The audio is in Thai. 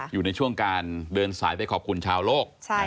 อยู่ในช่วงการเดินสายไปขอบคุณชาวโลก